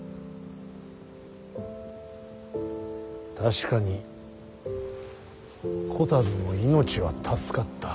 確かにこたびも命は助かった。